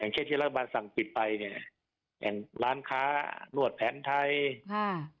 เช่นที่รัฐบาลสั่งปิดไปเนี่ยอย่างร้านค้านวดแผนไทยค่ะ